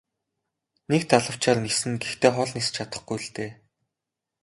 Нэг далавчаар ниснэ гэхдээ хол нисэж чадахгүй л дээ.